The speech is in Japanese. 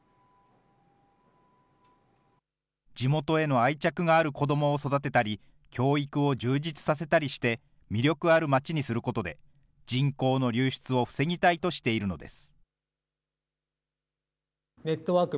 地元への愛着がある子どもを育てたり、教育を充実させたりして、魅力あるまちにすることで、人口の流出を防ぎたいとしているのです。